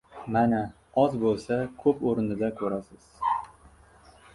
— Mana, oz bo‘lsa, ko‘p o‘rnida ko‘rasiz.